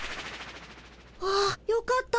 あっよかった！